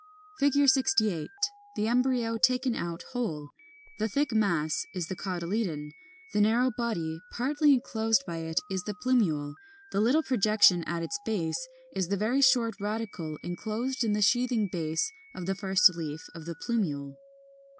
68. The embryo taken out whole; the thick mass is the cotyledon, the narrow body partly enclosed by it is the plumule, the little projection at its base is the very short radicle enclosed in the sheathing base of the first leaf of the plumule.